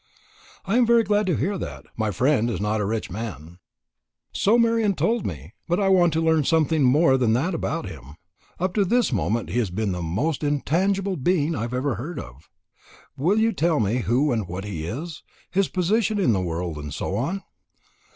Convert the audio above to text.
"I am very glad to hear that; my friend is not a rich man." "So Marian told me. But I want to learn something more than that about him. Up to this moment he has been the most intangible being I ever heard of. Will you tell me who and what he is his position in the world, and so on?"